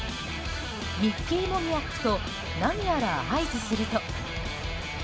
ミッキー・モニアックと何やら合図すると。